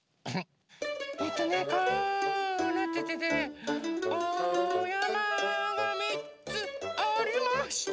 えっとねこうなっててねおやまが３つありまして。